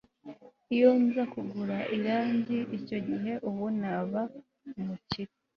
iyo nza kugura irangi icyo gihe, ubu naba umukire